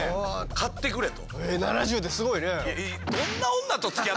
買ってくれと。